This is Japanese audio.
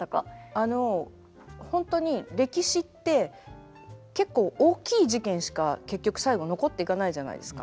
あの本当に歴史って結構大きい事件しか結局最後残っていかないじゃないですか。